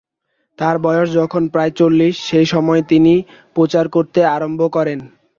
তাঁর বয়স যখন প্রায় চল্লিশ, সেই সময় তিনি প্রচার করতে আরম্ভ করেন।